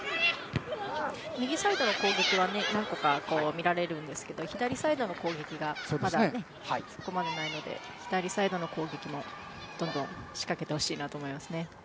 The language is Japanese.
右サイドの攻撃は何度か見られるんですが左サイドの攻撃がまだそこまでないので左サイドの攻撃もどんどん仕掛けてほしいなと思います。